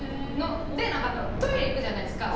でトイレ行くじゃないですか。